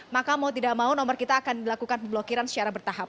maka mau tidak mau nomor kita akan dilakukan pemblokiran secara bertahap